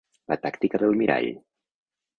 La tàctica del mirall.